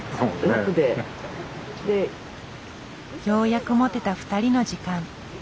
ようやく持てた２人の時間。